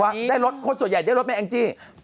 ว่าได้ลดคนส่วนใหญ่ได้ลดแม่แองจี